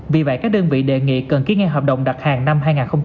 vì vậy các đơn vị đề nghị cần ký ngay hợp đồng đặt hàng năm hai nghìn hai mươi